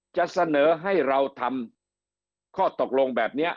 จะเสนอให้เราทำข้อตกลงแบบนี้